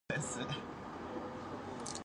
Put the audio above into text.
立てよド三流格の違いってやつを見せてやる